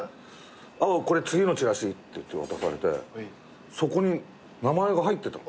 「ああこれ次のチラシ」って言って渡されてそこに名前が入ってたの。